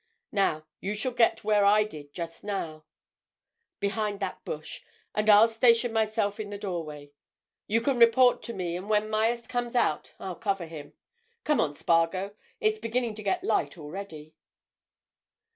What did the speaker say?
Now, you shall get where I did just now, behind that bush, and I'll station myself in the doorway. You can report to me, and when Myerst comes out I'll cover him. Come on, Spargo; it's beginning to get light already."